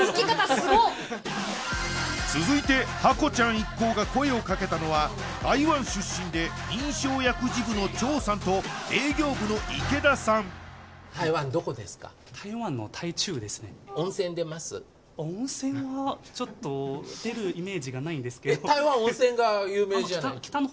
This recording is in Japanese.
続いてハコちゃん一行が声をかけたのは台湾出身で認証薬事部の張さんと営業部の池田さん温泉はちょっと出るイメージがないんですけど台湾温泉が有名じゃないの？